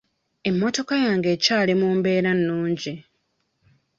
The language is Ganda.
Emmotoka yange ekyali mu mbeera nnungi.